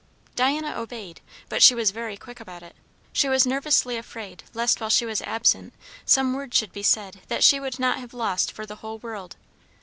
Diana obeyed, but she was very quick about it; she was nervously afraid lest while she was absent some word should be said that she would not have lost for the whole world.